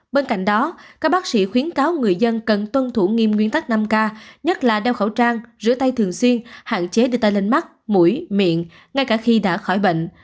bên cạnh đó các bác sĩ khuyến cáo người dân cần tuân thủ nghiêm nguyên tắc năm k nhất là đeo khẩu trang rửa tay thường xuyên hạn chế đi tay lên mắt mũi miệng ngay cả khi đã khỏi bệnh